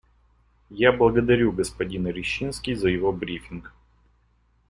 Я благодарю господина Рищински за его брифинг.